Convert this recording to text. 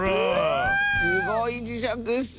すごいじしゃくッス！